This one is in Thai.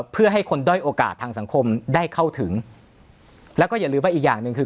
เพื่อให้คนด้อยโอกาสทางสังคมได้เข้าถึงแล้วก็อย่าลืมว่าอีกอย่างหนึ่งคือ